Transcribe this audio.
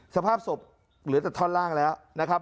สภาพศพเหลือแต่ท่อนล่างแล้วนะครับ